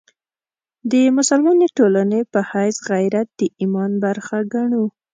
د مسلمانې ټولنې په حیث غیرت د ایمان برخه ګڼو.